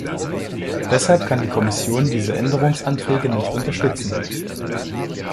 Deshalb kann die Kommission diese Änderungsanträge nicht unterstützen.